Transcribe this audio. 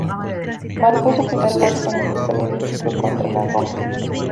Marcó su primer gol en el Estadio Olímpico contra la Roma.